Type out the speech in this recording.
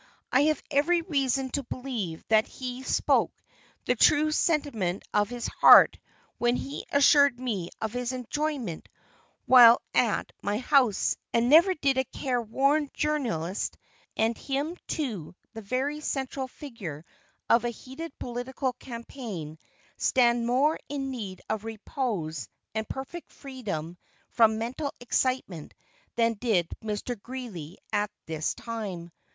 I have every reason to believe that he spoke the true sentiment of his heart when he assured me of his enjoyment while at my house, and never did a careworn journalist, and him too the very central figure of a heated political campaign, stand more in need of repose and perfect freedom from mental excitement than did Mr. Greeley at this time.